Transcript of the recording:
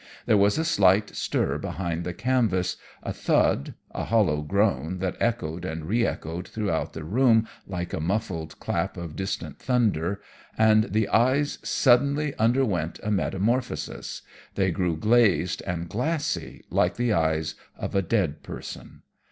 There was a slight stir behind the canvas, a thud, a hollow groan that echoed and re echoed throughout the room like the muffled clap of distant thunder, and the eyes suddenly underwent a metamorphosis they grew glazed and glassy like the eyes of a dead person.